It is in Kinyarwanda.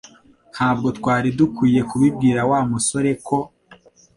Ntabwo twari dukwiye kubibwira Wa musore ko